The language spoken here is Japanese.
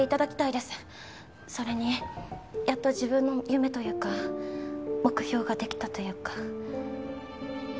それにやっと自分の夢というか目標ができたというか。